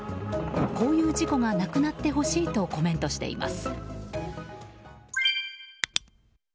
こういう事故がなくなってほしいとコメントしています。